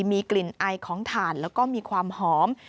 มีกลิ่นไอของถ่านแล้วก็มีความหอม